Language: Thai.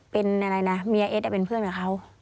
เป็นอะไรนะเมียเอ็ดเป็นเพื่อนกับเขา